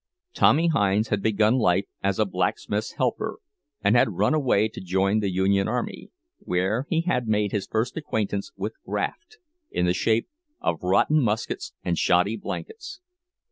Tommy Hinds had begun life as a blacksmith's helper, and had run away to join the Union army, where he had made his first acquaintance with "graft," in the shape of rotten muskets and shoddy blankets.